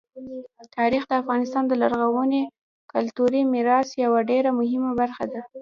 تاریخ د افغانستان د لرغوني کلتوري میراث یوه ډېره مهمه برخه ده.